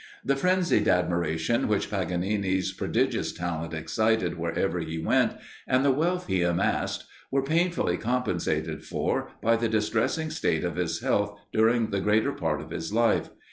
The frenzied admiration which Paganini's prodigious talent excited wherever he went, and the wealth he amassed, were painfully compensated for, by the distressing state of his health during the greater part of his life.